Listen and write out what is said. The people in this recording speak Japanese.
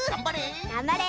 がんばれ。